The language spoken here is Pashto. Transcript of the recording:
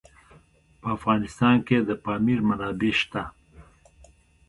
په افغانستان کې د پامیر منابع شته.